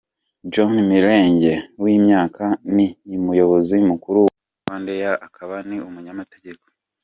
John Milenge, w’imyaka , ni Umuyobozi Mukuru wa Rwandair, akaba ni umunyamategeko.